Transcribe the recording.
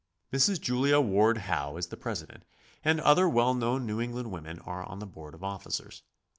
Mrs. Julia Ward Howe is the president, and other well known New England women are on the board of officers.